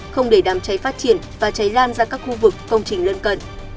không để đám cháy phát triển và cháy lan ra các khu vực công trình lân cận